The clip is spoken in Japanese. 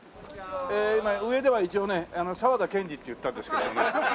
え今上では一応ね沢田研二って言ったんですけどね。